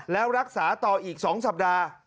แล้วรักษาต่ออีก๒สัปดาห์